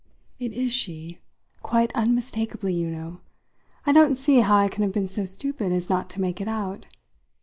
"It is she quite unmistakably, you know. I don't see how I can have been so stupid as not to make it out.